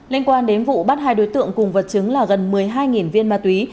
liên quan đến vụ bắt hai đối tượng cùng vật chứng là gần một mươi hai viên ma túy